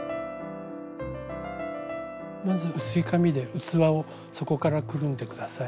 まず薄い紙で器を底からくるんで下さい。